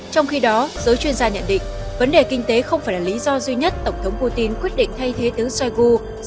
trong khi đó giới chuyên gia nhận định vấn đề kinh tế không phải là lý do duy nhất tổng thống putin quyết định thay thế tướng shoigu